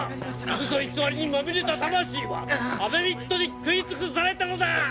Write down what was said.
嘘偽りにまみれた魂はアメミットに喰い尽くされたのだ！